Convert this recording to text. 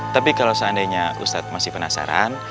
tapi kalau seandainya ustadz masih penasaran